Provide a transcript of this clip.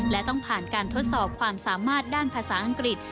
และต้องผ่านการทดสอบความสามารถด้านภาษาอังกฤษ